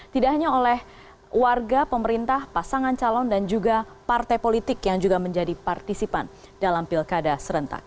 tidak hanya oleh warga pemerintah pasangan calon dan juga partai politik yang juga menjadi partisipan dalam pilkada serentak